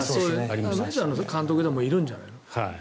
メジャーの監督でもいるんじゃない？